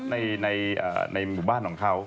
ในหมู่บ้านของเขา